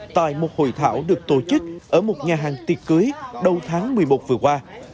tại một hội thảo được tổ chức ở một nhà hàng tiệc cưới đầu tháng một mươi một vừa qua